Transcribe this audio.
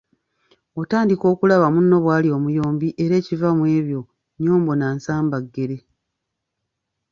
Otandika okulaba munno bwali omuyombi, era ekiva mu ekyo nnyombo na nsambaggere.